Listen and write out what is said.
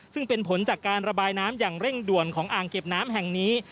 ซึ่งเป็นผลจากการระบายน้ำอย่างเร่งด่วนของอ่างเก็บน้ำแห่งนี้